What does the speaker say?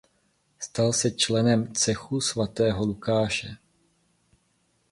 Stal se členem Cechu Svatého Lukáše.